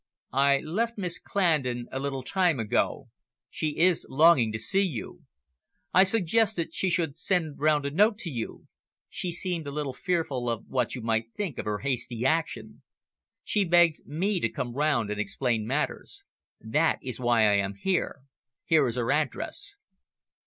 "I left Miss Clandon a little time ago. She is longing to see you. I suggested she should send round a note to you. She seemed a little fearful of what you might think of her hasty action. She begged me to come round and explain matters. That is why I am here. Here is her address."